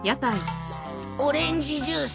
オレンジジュース。